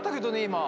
今。